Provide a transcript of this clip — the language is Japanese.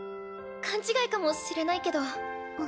勘違いかもしれないけど。